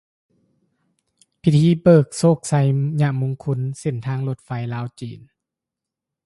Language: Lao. ພິທີເບີກໂຊກໄຊຍະມຸງຄຸນ ເສັ້ນທາງລົດໄຟ ລາວຈີນ